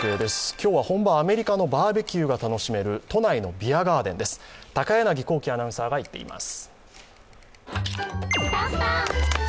今日は本場・アメリカのバーベキューが楽しめる都内のビアガーデンです、高柳光希アナウンサーが行っています。